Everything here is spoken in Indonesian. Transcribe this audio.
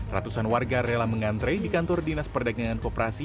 ratusan warga rela mengantre di kantor dinas perdagangan kooperasi